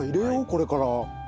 これから。